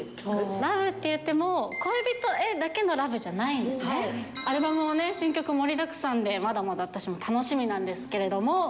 ラブって言っても、恋人へだアルバムも、新曲盛りだくさんで、まだまだ私も楽しみなんですけれども。